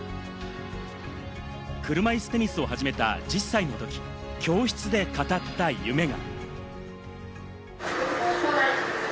車いすテニスを始めた１０歳のとき、教室で語った夢が。